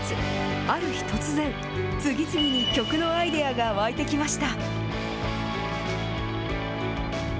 ある日突然、次々に曲のアイデアが湧いてきました。